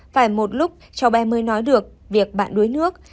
phải một lúc cháu bé mới nói được việc bạn đuối nước